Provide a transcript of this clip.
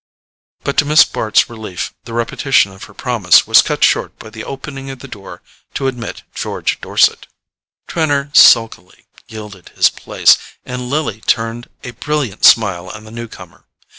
But to Miss Bart's relief the repetition of her promise was cut short by the opening of the box door to admit George Dorset. Trenor sulkily yielded his place, and Lily turned a brilliant smile on the newcomer.